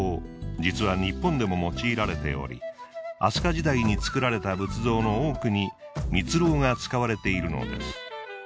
実は日本でも用いられており飛鳥時代に作られた仏像の多くにミツロウが使われているのです。